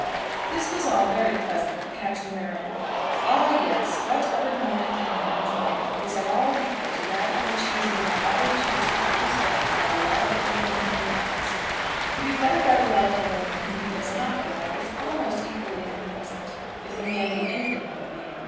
This was all very pleasant for Captain Marrable. Ah, yes! what other moment in a man's life is at all equal to that in which he is being flattered to the top of his bent by the love of the woman he loves. To be flattered by the love of a woman whom he does not love is almost equally unpleasant, if the man be anything of a man.